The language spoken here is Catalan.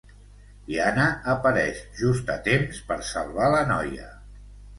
Diana apareix just a temps per salvar la noia.